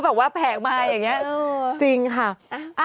บอกว่าแผงมาอย่างนี้จริงค่ะ